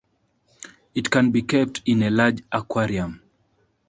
It can be kept in a large aquarium.